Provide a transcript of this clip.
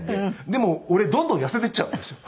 でも俺どんどん痩せていっちゃうんですよ。